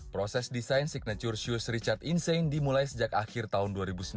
proses desain signature shoes richard insane dimulai sejak akhir tahun dua ribu sembilan belas